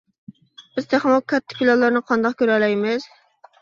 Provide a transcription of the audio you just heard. بىز تېخىمۇ كاتتا پىلانلارنى قانداق كۆرەلەيمىز.